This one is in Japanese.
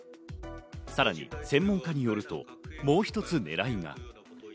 さらに専門家によると、もう一つ狙いが。